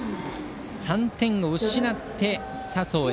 ３点を失って佐宗へ。